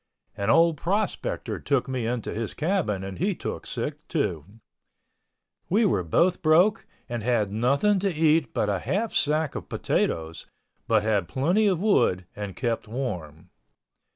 An old prospector took me into his cabin and he took sick, too. We were both broke and had nothing to eat but a half sack of potatoes, but had plenty of wood and kept warm.